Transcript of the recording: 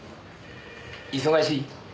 忙しい？